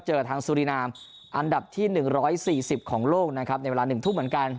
เจอกับทางสุรินามอันดับที่หนึ่งร้อยสี่สิบของโลกนะครับในเวลาหนึ่งทุ่มเหมือนกัน